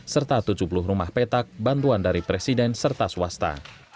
serta tujuh puluh rumah petak bantuan dari presiden serta swasta